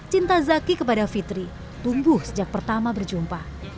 cinta zaki kepada fitri tumbuh sejak pertama berjumpa